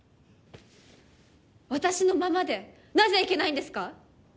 私のままでなぜいけないんですか？